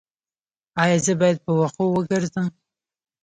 ایا زه باید په وښو وګرځم؟